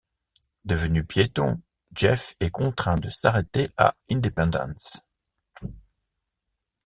Devenu piéton, Jeff est contraint de s'arrêter à Independence.